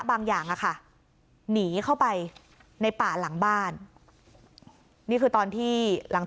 บางอย่างอะค่ะหนีเข้าไปในป่าหลังบ้านนี่คือตอนที่หลัง